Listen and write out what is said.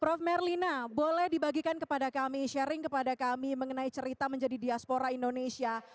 prof merlina boleh dibagikan kepada kami sharing kepada kami mengenai cerita menjadi diaspora indonesia